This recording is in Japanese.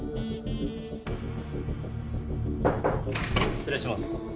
失礼します。